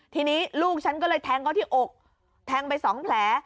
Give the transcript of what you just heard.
ทีนี้ลูกฉันก็เลยแทงเขาที่อกแทงไปสองแผล